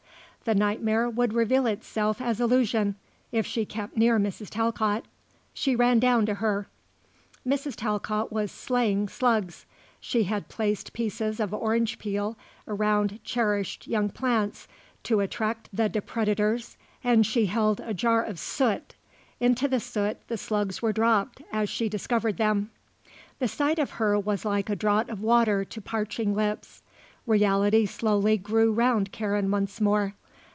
The nightmare would reveal itself as illusion if she kept near Mrs. Talcott. She ran down to her. Mrs. Talcott was slaying slugs. She had placed pieces of orange peel around cherished young plants to attract the depredators and she held a jar of soot; into the soot the slugs were dropped as she discovered them. The sight of her was like a draught of water to parching lips. Reality slowly grew round Karen once more.